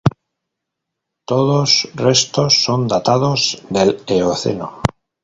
Todos restos son datados del Eoceno.